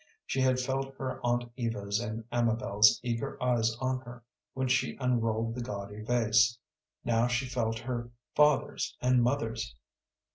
She had felt her aunt Eva's and Amabel's eager eyes on her when she unrolled the gaudy vase; now she felt her father's and mother's.